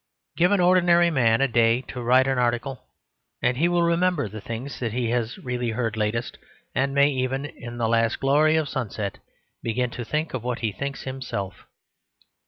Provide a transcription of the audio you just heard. Give an ordinary man a day to write an article, and he will remember the things he has really heard latest; and may even, in the last glory of the sunset, begin to think of what he thinks himself.